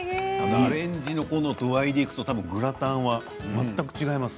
アレンジの度合いでいくとグラタンは全く違います。